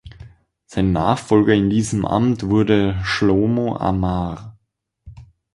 Sein Nachfolger in diesem Amt wurde Shlomo Amar.